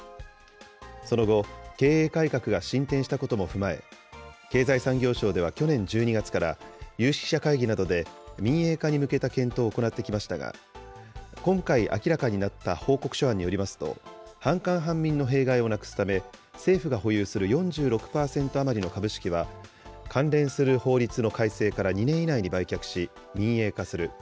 その後、経営改革が進展したことも踏まえ、経済産業省では去年１２月から有識者会議などで民営化に向けた検討を行ってきましたが、今回明らかになった報告書案によりますと、半官半民の弊害をなくすため、政府が保有する４６％余りの株式は、関連する法律の改正から２年以内に売却し、民営化する。